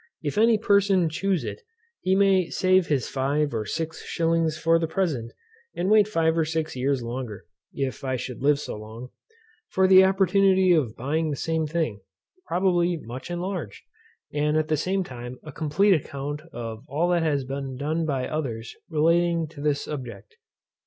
If any person chuse it, he may save his five or six shillings for the present, and wait five or six years longer (if I should live so long) for the opportunity of buying the same thing, probably much enlarged, and at the same time a complete account of all that has been done by others relating to this subject.